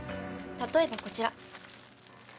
例えばこちら。